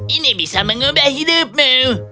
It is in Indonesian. ini bisa mengubah hidupmu